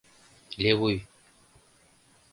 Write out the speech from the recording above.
Левуй...